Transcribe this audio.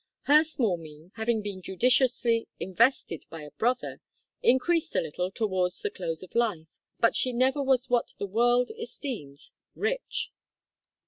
Her small means, having been judiciously invested by a brother, increased a little towards the close of life, but she never was what the world esteems rich."